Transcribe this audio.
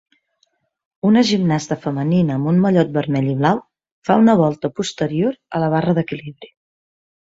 Una gimnasta femenina amb un mallot vermell i blau fa una volta posterior a la barra d'equilibri.